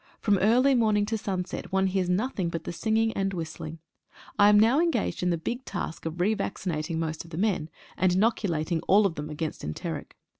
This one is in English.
From early morning to sunset one hears nothing but the singing and whistling. I am now engaged in the big task of re vac cinating most of the men, and inoculating all of them against enteric.